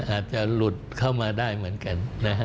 อาจจะหลุดเข้ามาได้เหมือนกันนะฮะ